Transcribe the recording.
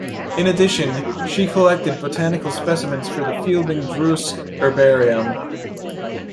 In addition, she collected botanical specimens for the Fielding-Druce Herbarium.